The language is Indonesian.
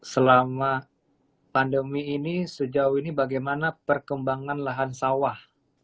selama pandemi ini sejauh ini bagaimana perkembangan lahan sawah